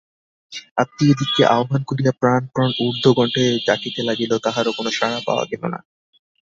আত্মীয়দিগকে আহ্বান করিয়া প্রাণপণ ঊর্ধ্বকণ্ঠে ডাকিতে লাগিল, কাহারো কোনো সাড়া পাওয়া গেল না।